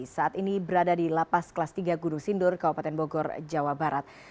saat ini berada di lapas kelas tiga gunung sindur kabupaten bogor jawa barat